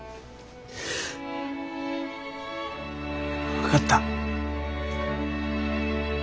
分かった。